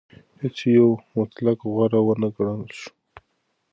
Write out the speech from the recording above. هیڅ یو مطلق غوره ونه ګڼل شو.